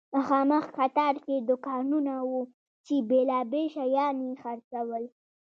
مخامخ قطار کې دوکانونه وو چې بیلابیل شیان یې خرڅول.